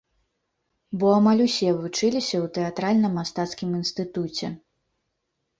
Бо амаль усе вучыліся ў тэатральна-мастацкім інстытуце.